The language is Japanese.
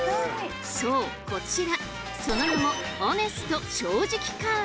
そうこちらその名も「オネストカード」！